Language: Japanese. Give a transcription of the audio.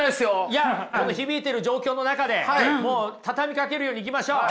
いやこの響いてる状況の中でもう畳みかけるように行きましょう。